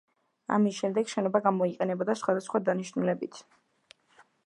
ამის შემდეგ შენობა გამოიყენებოდა სხვადასხვა დანიშნულებით.